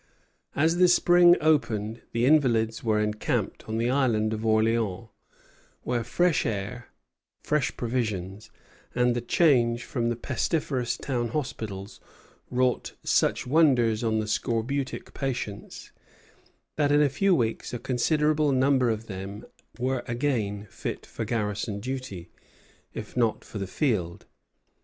As the spring opened the invalids were encamped on the Island of Orleans, where fresh air, fresh provisions, and the change from the pestiferous town hospitals wrought such wonders on the scorbutic patients, that in a few weeks a considerable number of them were again fit for garrison duty, if not for the field.